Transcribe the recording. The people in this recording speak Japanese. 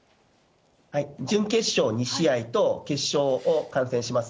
準決勝２試合と、決勝を観戦します。